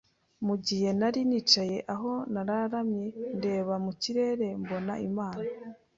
mu gihe nari nicaye aho narararamye ndeba mu kirere mbona Imana